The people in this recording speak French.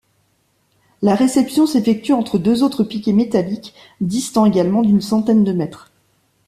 La réception s'effectue entre deux autres piquets métalliques distants également d'une centaine de mètres.